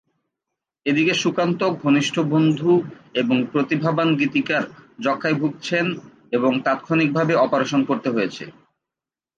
এদিকে সুকান্ত, ঘনিষ্ঠ বন্ধু এবং প্রতিভাবান গীতিকার যক্ষ্মায় ভুগছেন এবং তাৎক্ষণিকভাবে অপারেশন করতে হয়েছে।